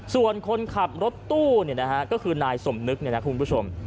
ส่วนคนขับรถตู้ก็คือนายสมนึกเนี่ยนะคุณผู้ชม